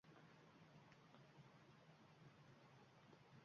Anomal issiq tufayli Chotqol qo‘riqxonasidagi qariybbirgektar yer maydoni yonib ketdi